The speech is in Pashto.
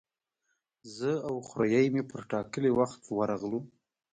زه او خوریی مې پر ټاکلي وخت ورغلو.